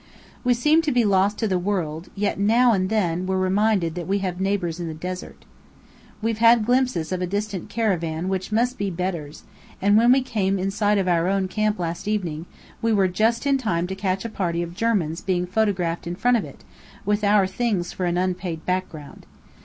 We seem to be lost to the world, yet now and then we're reminded that we have neighbours in the desert. We've had glimpses of a distant caravan which must be Bedr's; and when we came in sight of our own camp last evening, we were just in time to catch a party of Germans being photographed in front of it, with our things for an unpaid background.